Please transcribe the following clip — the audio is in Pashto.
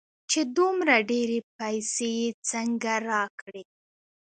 چې دومره ډېرې پيسې يې څنگه راکړې.